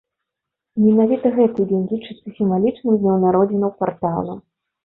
Менавіта гэты дзень лічыцца сімвалічным днём народзінаў партала.